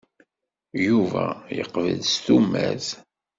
Yuba yeqbel s tumert.